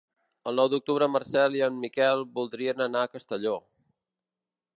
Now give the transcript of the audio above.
El nou d'octubre en Marcel i en Miquel voldrien anar a Castelló.